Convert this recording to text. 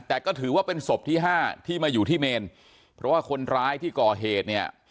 แต่ก็ถือว่าเป็นศพที่ห้าที่มาอยู่ที่เมนเพราะว่าคนร้ายที่ก่อเหตุเนี่ย